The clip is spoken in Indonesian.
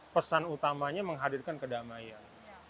pesan utamanya menghadirkan kedamaian